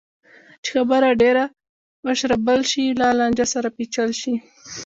چې خبره ډېره وشاربل شي یا لانجه سره پېچل شي.